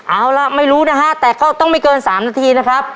เอาล่ะไม่รู้นะฮะแต่ก็ต้องไม่เกิน๓นาทีนะครับ